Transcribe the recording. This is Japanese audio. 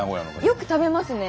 よく食べますね。